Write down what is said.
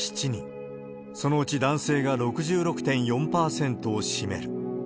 そのうち男性が６６．４％を占める。